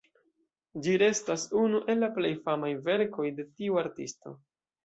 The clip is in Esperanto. Ĝi restas unu el la plej famaj verkoj de tiu artisto.